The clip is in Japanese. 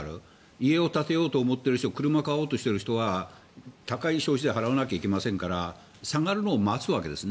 家を建てようとしている人車を買おうと思っている人は高い消費税を払わないといけないですから下がるのを待つわけです。